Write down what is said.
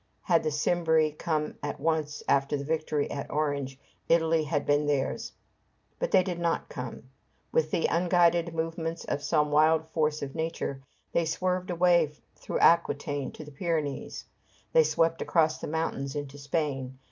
Had the Cimbri come at once after their victory at Orange, Italy had been theirs. But they did not come. With the unguided movements of some wild force of nature, they swerved away through Aquitaine to the Pyrenees. They swept across the mountains into Spain.